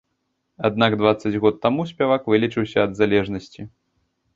Аднак дваццаць год таму спявак вылечыўся ад залежнасці.